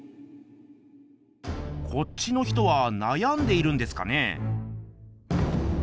こっちの人はなやんでいるんですかね。